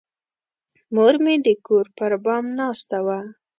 مور مې د کور پر بام ناسته وه.